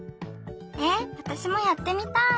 えっわたしもやってみたい！